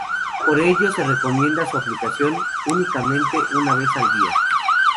Por ello se recomienda su aplicación únicamente una vez al día.